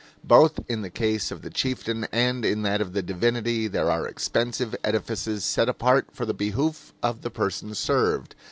Both in the case of the chieftain and in that of the divinity there are expensive edifices set apart for the behoof of the person served.